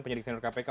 penyelidik senior kpk